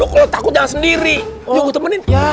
kalo takut jangan sendiri ya gue temenin